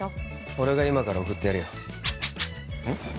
俺が今から送ってやるようん？